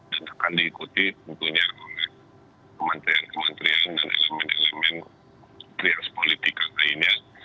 dan akan diikuti tentunya oleh kementerian kementerian dan resumen resumen trias politika lainnya